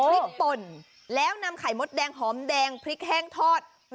พริกป่นแล้วนำไข่มดแดงหอมแดงพริกแห้งทอด